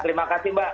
ya terima kasih mbak